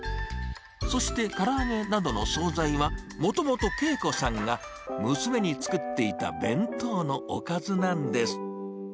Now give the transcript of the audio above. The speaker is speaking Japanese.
そしてから揚げなどの総菜は、もともと桂子さんが娘に作っていた弁当のおかずなんです。